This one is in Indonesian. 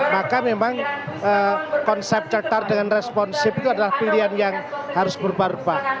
maka memang konsep cek tar dengan responsif itu adalah pilihan yang harus berubah ubah